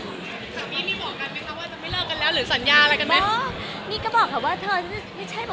สามีนี่บอกกันไหมคะว่าจะไม่เลิกกันแล้วหรือสัญญาอะไรกันไหม